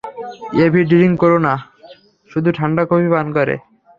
এ ভি ড্রিংক করে না, শুধু ঠান্ডা কফি পান করে।